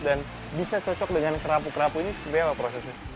dan bisa cocok dengan kerapu kerapu ini seperti apa prosesnya